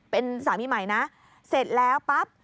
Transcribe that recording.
เป็นสามีใหม่นะเสร็จแล้วปั๊บ